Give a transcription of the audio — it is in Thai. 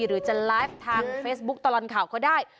หรือจะไลฟ์ทางเฟซบุ๊คตลอดข่าวก็ได้